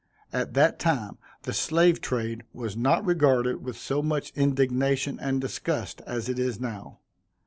At that time the slave trade was not regarded with so much indignation and disgust, as it is now.